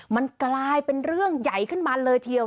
มันกลายเป็นเรื่องใหญ่ขึ้นมาเลยทีเดียว